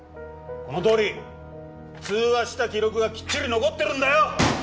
このとおり通話した記録がきっちり残ってるんだよ！